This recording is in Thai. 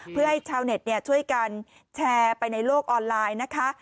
เพื่อให้ชาวเน็ตช่วยกันแชร์ไปในโลกออนไลน์นะคะ